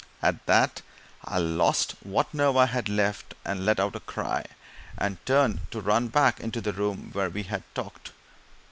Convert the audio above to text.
At that I lost what nerve I had left, and let out a cry, and turned to run back into the room where we had talked.